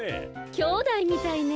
きょうだいみたいね。